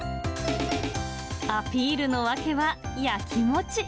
アピールの訳はやきもち。